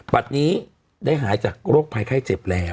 บัตรนี้ได้หายจากโรคภัยไข้เจ็บแล้ว